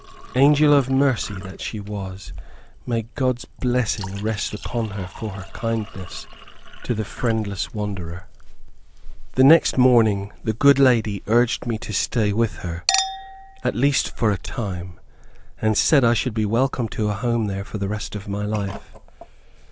Angel of mercy that she was; may God's blessing rest upon her for her kindness to the friendless wanderer. The next morning the good lady urged me to stay with her, at least, for a time, and said I should be welcome to a home there for the rest of my life.